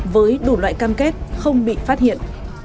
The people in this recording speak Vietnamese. với đủ loại cam kết không bị phát hiện